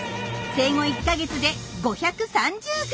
生後１か月で５３０ｇ。